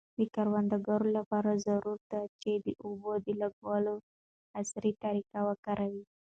د کروندګرو لپاره ضروري ده چي د اوبو د لګولو عصري طریقې وکاروي.